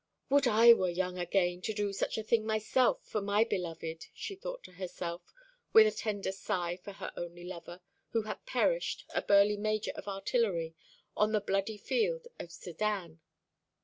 "Would I were young again, to do such a thing myself for my beloved!" she thought to herself, with a tender sigh for her only lover, who had perished, a burly major of Artillery, on the bloody field of Sedan.